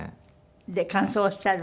で感想おっしゃる？